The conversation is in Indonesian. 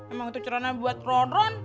emang itu celana buat ron ron